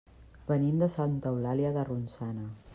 Venim de Santa Eulàlia de Ronçana.